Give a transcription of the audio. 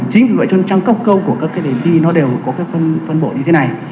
chính vì vậy trong trang cốc câu của các đề thi nó đều có phân bổ như thế này